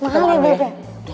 makan dulu ya